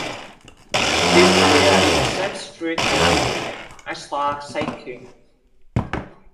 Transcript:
If they are in the same street as me, I start shaking.